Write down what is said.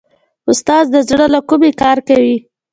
استاد د زړه له کومې کار کوي.